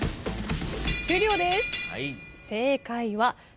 終了です。